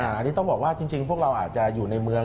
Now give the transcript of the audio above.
อันนี้ต้องบอกว่าจริงพวกเราอาจจะอยู่ในเมือง